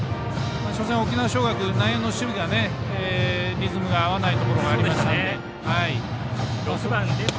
初戦、沖縄尚学内野の守備がリズムが合わないところがありましたので。